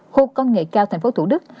khu công nghệ cao thành phố thủ đức